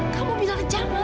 kamu bilang jangan